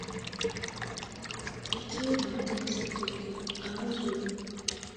Tekie ɓo ten sǝkikki ah zu yah.